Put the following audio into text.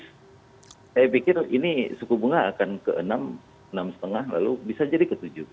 saya pikir ini suku bunga akan ke enam enam lima lalu bisa jadi ke tujuh